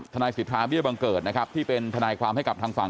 ทนายสิทธาเบี้ยบังเกิดนะครับที่เป็นทนายความให้กับทางฝั่ง